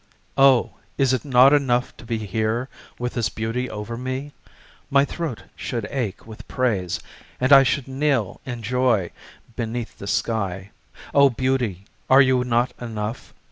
Oh, is it not enough to be Here with this beauty over me? My throat should ache with praise, and I Should kneel in joy beneath the sky. O, beauty, are you not enough?